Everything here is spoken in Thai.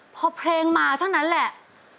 พอเพลงมาเท่านั้นแหละ